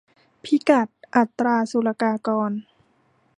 พิกัดอัตราศุลกากร